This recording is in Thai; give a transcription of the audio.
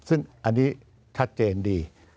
ซึ่งอันนี้ชัดเจนดี